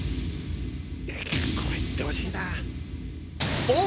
これ行ってほしいな。